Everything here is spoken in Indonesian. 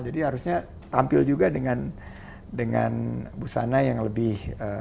jadi harusnya tampil juga dengan busana yang lebih